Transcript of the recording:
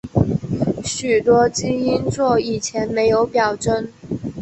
许多基因座以前没有表征。